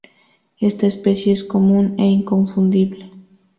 Esta especie es común e inconfundible.